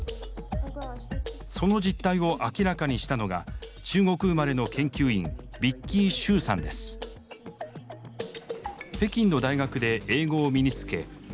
その実態を明らかにしたのが中国生まれの研究員北京の大学で英語を身につけオーストラリアに留学。